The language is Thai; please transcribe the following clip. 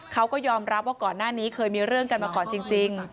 เขาก็ยอมรับว่าก่อนหน้านี้เคยมีเรื่องกันมาก่อนจริง